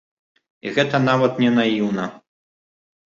І гэта нават не наіўна.